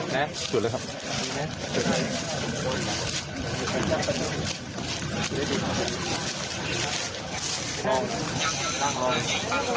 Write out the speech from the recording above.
นี้จุดแล้วครับ